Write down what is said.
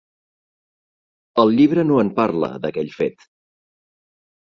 El llibre no en parla, d'aquell fet.